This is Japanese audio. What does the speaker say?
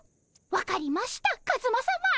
分かりましたカズマさま